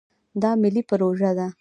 دا ملي پروژه ده.